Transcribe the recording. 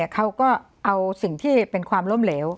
เขาก็เอาสิ่งที่เป็นความล้มเหลว